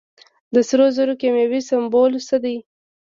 د سرو زرو کیمیاوي سمبول څه دی.